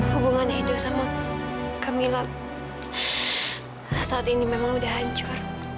hubungannya itu sama kamilah saat ini memang udah hancur